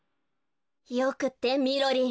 よくってみろりん！